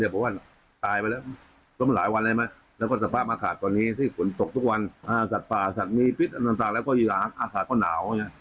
ฝนตกทุกวันสัตว์ป่าสัตว์มีปิ๊ดอะไรต่างแล้วก็อยู่หาศาสตร์ก็หนาว